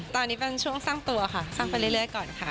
ตอนนี้เป็นช่วงสร้างตัวค่ะสร้างไปเรื่อยก่อนค่ะ